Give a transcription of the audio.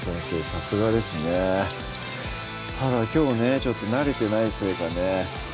さすがですねただきょうねちょっと慣れてないせいかね